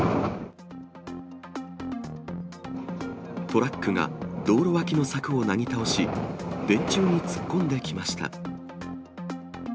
トラックが道路脇の柵をなぎ倒し、電柱に突っ込んできました。